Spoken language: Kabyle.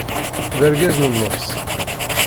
D argaz u nnefṣ!